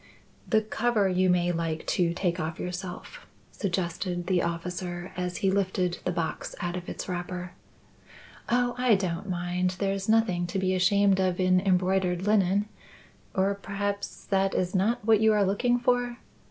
"The cover you may like to take off yourself," suggested the officer, as he lifted the box out of its wrapper. "Oh, I don't mind. There's nothing to be ashamed of in embroidered linen. Or perhaps that is not what you are looking for?"